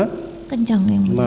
kencang ya mulya